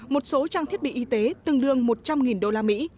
một số trang thiết bị y tế tương đương một trăm linh đô la mỹ